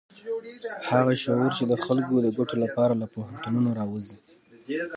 هغه شعور چې د خلکو د ګټو لپاره له پوهنتونونو راوزي.